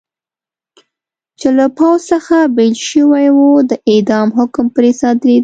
چې له پوځ څخه بېل شوي و، د اعدام حکم پرې صادرېده.